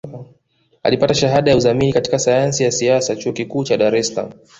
Alipata Shahada ya Uzamili katika Sayansi ya Siasa Chuo Kikuu cha Dar es Salaam